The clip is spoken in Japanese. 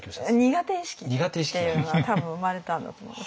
苦手意識っていうのが多分生まれたんだと思うんですね。